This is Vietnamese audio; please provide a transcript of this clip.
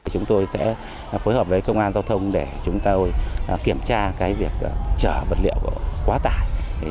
chúng tôi sẽ phối hợp với công an giao thông để chúng tôi kiểm tra việc chở vật liệu quá tải